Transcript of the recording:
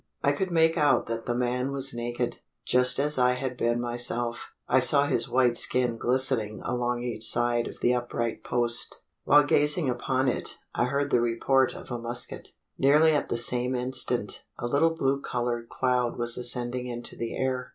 I could make out that the man was naked just as I had been myself: I saw his white skin glistening along each side of the upright post. While gazing upon it, I heard the report of a musket. Nearly at the same instant, a little blue coloured cloud was ascending into the air.